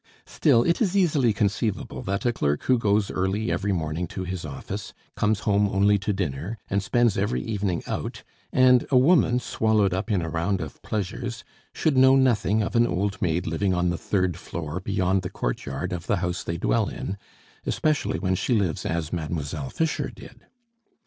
Still, it is easily conceivable that a clerk who goes early every morning to his office, comes home only to dinner, and spends every evening out, and a woman swallowed up in a round of pleasures, should know nothing of an old maid living on the third floor beyond the courtyard of the house they dwell in, especially when she lives as Mademoiselle Fischer did.